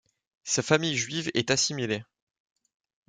Sa famille juive est assimilée.